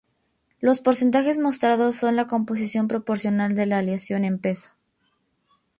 Los porcentajes mostrados son la composición proporcional de la aleación en peso.